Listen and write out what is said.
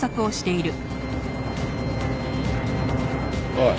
おい。